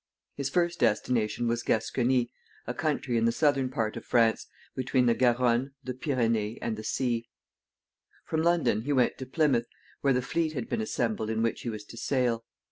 His first destination was Gascony, a country in the southern part of France, between the Garonne, the Pyrenees, and the sea.[D] [Footnote D: See map on page 110.] From London he went to Plymouth, where the fleet had been assembled in which he was to sail.